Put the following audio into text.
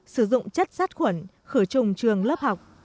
sử dụng chất sát khuẩn khử trùng trường lớp học